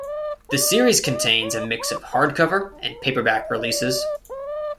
The series contains a mix of hardcover and paperback releases.